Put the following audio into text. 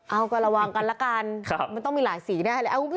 เอาก็ระวังกันละกันมันต้องมีหลายสีแน่เลย